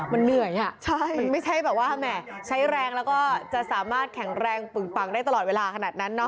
มันเหนื่อยอ่ะใช่ใช้แรงแล้วก็จะสามารถแข่งแรงปึ่งปังได้ตลอดเวลาขนาดนั้นเนอะ